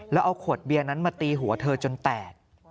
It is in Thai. แล้วเอาขวดเบียร์นั้นมาตีหัวเธอจนแตก